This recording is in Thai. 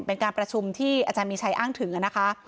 เป็นการประชุมที่อาจารย์มีชัยอ้างถึงนะคะ